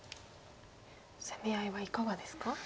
攻め合いはいかがですか？